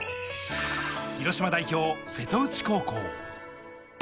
広島代表・瀬戸内高校。